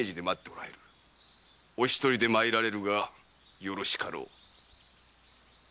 お一人で参られるがよろしかろう。